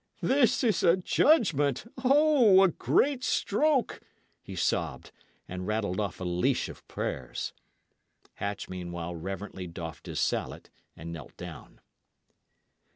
"This is a judgment! O, a great stroke!" he sobbed, and rattled off a leash of prayers. Hatch meanwhile reverently doffed his salet and knelt down.